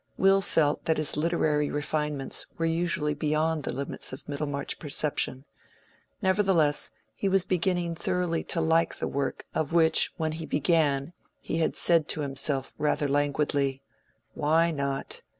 Will felt that his literary refinements were usually beyond the limits of Middlemarch perception; nevertheless, he was beginning thoroughly to like the work of which when he began he had said to himself rather languidly, "Why not?"